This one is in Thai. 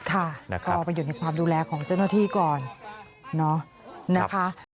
ค่ะก็ไปอยู่ในความดูแลของเจ้าหน้าที่ก่อนเนาะนะคะ